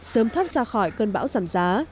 sớm thoát ra khỏi cơn bão giảm giá